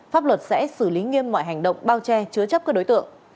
pháp luật sẽ xử lý nghiêm mọi hành động bao che chứa chấp các đối tượng